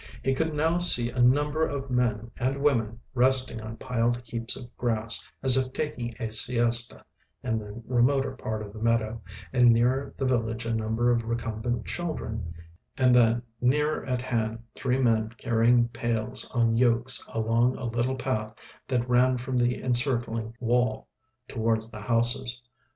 He could now see a number of men and women resting on piled heaps of grass, as if taking a siesta, in the remoter part of the meadow, and nearer the village a number of recumbent children, and then nearer at hand three men carrying pails on yokes along a little path that ran from the encircling wall towards the houses.